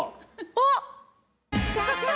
あっ！